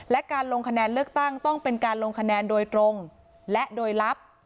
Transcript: และการลงคะแนนเลือกตั้งต้องเป็นการลงคะแนนโดยตรงและโดยลับ